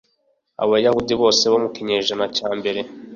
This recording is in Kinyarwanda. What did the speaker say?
Abayahudi bose bo mu kinyejana cya mbere